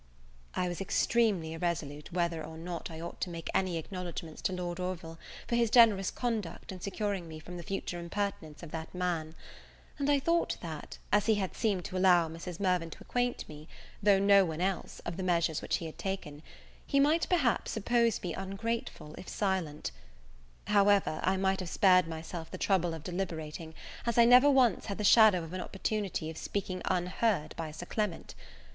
I was extremely irresolute whether or not I ought to make any acknowledgments to Lord Orville for his generous conduct in securing me from the future impertinence of that man; and I thought, that, as he had seemed to allow Mrs. Mirvan to acquaint me, though no one else, of the measures which he had taken, he might perhaps suppose me ungrateful if silent: however, I might have spared myself the trouble of deliberating, as I never once had the shadow of an opportunity of speaking unheard by Sir Clement.